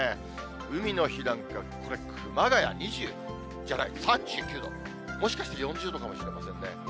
海の日なんか、これ、熊谷３９度、もしかして４０度かもしれませんね。